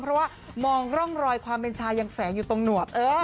เพราะว่ามองร่องรอยความเป็นชายังแฝงอยู่ตรงหนวด